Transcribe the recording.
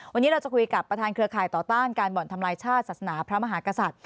วันนี้เราจะคุยกับประธานเครือข่ายต่อต้านการบ่อนทำลายชาติศาสนาพระมหากษัตริย์